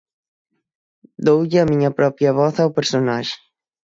Doulle a miña propia voz ao personaxe.